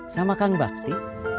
sama kang bakti